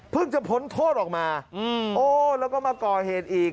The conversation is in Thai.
จะพ้นโทษออกมาโอ้แล้วก็มาก่อเหตุอีก